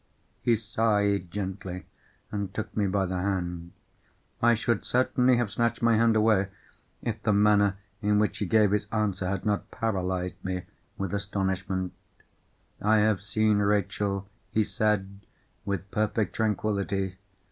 He sighed gently, and took me by the hand. I should certainly have snatched my hand away, if the manner in which he gave his answer had not paralysed me with astonishment. "I have seen Rachel," he said with perfect tranquillity.